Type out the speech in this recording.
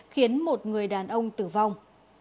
khiến một người đàn ông tử vong